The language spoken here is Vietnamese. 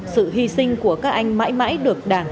sự hy sinh của các anh mãi mãi được đảng